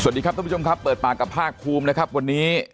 สวัสดีครับท่านผู้ชมครับเปิดปากกับภาคภูมินะครับวันนี้